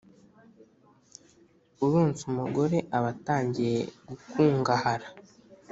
Uronse umugore aba atangiye gukungahara,